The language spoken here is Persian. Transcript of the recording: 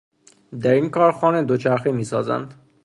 در این کارخانه دوچرخه میسازند.